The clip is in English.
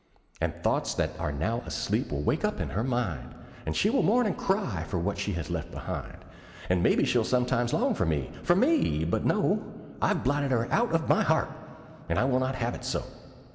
And thoughts that are now asleep will wake up in her mind, And she will mourn and cry for what she has left behind; And maybe she'll sometimes long for me for me but no! I've blotted her out of my heart, and I will not have it so.